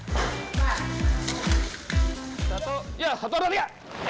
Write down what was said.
satu ya satu dua tiga